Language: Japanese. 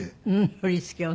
振り付けをね。